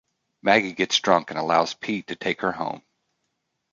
Maggie gets drunk and allows Pete to take her home.